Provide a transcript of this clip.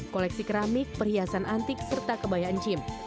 koleksi keramik perhiasan antik serta kebayaan gym